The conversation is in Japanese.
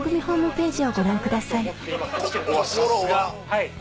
はい。